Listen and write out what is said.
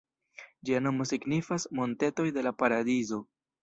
Ĝia nomo signifas "montetoj de la paradizo".